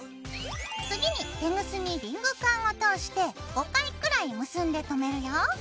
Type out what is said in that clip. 次にテグスにリングカンを通して５回くらい結んでとめるよ。